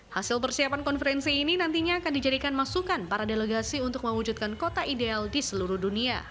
hasil persiapan konferensi ini nantinya akan dijadikan masukan para delegasi untuk mewujudkan kota ideal di seluruh dunia